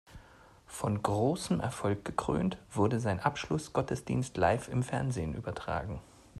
Von großem Erfolg gekrönt, wurde sein Abschlussgottesdienst live im Fernsehen übertragen.